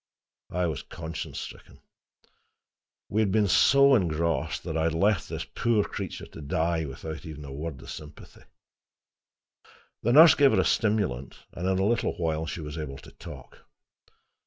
I was conscience stricken. We had been so engrossed that I had left this poor creature to die without even a word of sympathy. The nurse gave her a stimulant, and in a little while she was able to talk.